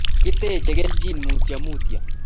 kiteche kelchin mutyo mutyo